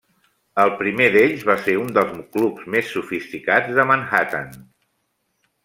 El primer d'ells va ser un dels clubs més sofisticats de Manhattan.